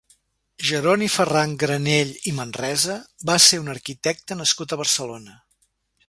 Jeroni Ferran Granell i Manresa va ser un arquitecte nascut a Barcelona.